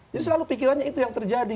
jadi selalu pikirannya itu yang terjadi